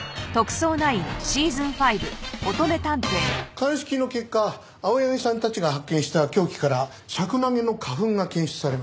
鑑識の結果青柳さんたちが発見した凶器からシャクナゲの花粉が検出されました。